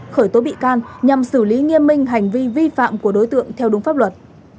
khởi tố bị can nhằm xử lý nghiêm minh hành vi vi phạm của đối tượng theo đúng pháp luật